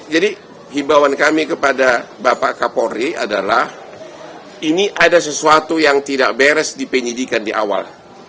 jadi himbawan kami kepada bapak kapolri adalah ini ada sesuatu yang tidak beres dipenyidikan di awal